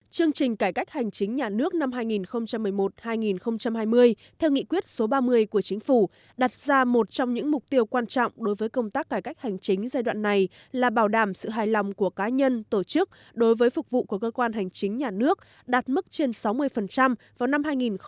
chương trình cải cách hành chính nhà nước năm hai nghìn một mươi một hai nghìn hai mươi theo nghị quyết số ba mươi của chính phủ đặt ra một trong những mục tiêu quan trọng đối với công tác cải cách hành chính giai đoạn này là bảo đảm sự hài lòng của cá nhân tổ chức đối với phục vụ của cơ quan hành chính nhà nước đạt mức trên sáu mươi vào năm hai nghìn hai mươi